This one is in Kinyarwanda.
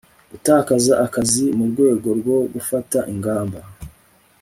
gutakaza akazi murwego rwo gufata ingamba